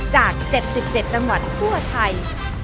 จาก๗๗จังหวัดทั่วไทย